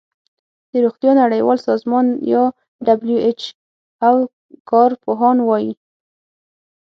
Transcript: د روغتیا نړیوال سازمان یا ډبلیو ایچ او کار پوهان وايي